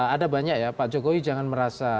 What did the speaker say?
ada banyak ya pak jokowi jangan merasa